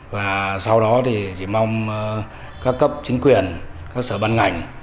và sau đó thì chỉ mong các cấp chính quyền các sở ban ngành